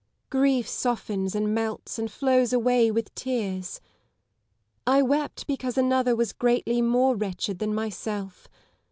Grief softens and melts and flows away with tears. I wept because another was greatly more wretched than myself.